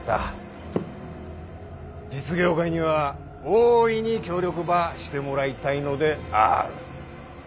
実業界には大いに協力ばしてもらいたいのである。